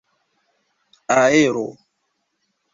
aero